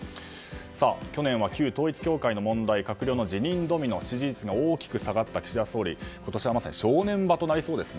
去年は旧統一教会の問題閣僚の辞任ドミノ支持率が大きく下がった岸田総理今年はまさに正念場となりそうですね。